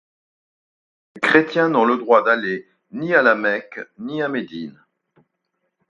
Les chrétiens n'ont le droit d'aller ni à La Mecque ni à Médine.